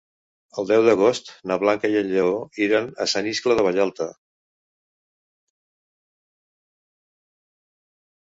El deu d'agost na Blanca i en Lleó iran a Sant Iscle de Vallalta.